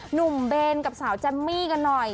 หนุ่มเบนกับสาวแจมมี่กันหน่อย